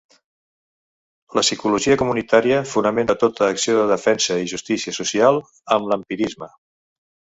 La psicologia comunitària fonamenta tota acció de defensa i justícia social en l'empirisme.